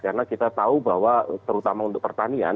karena kita tahu bahwa terutama untuk pertanian